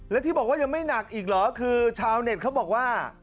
แล้วที่บอกว่ายังไม่หนักอีกเหรอคือชาวเน็ตเขาบอกว่า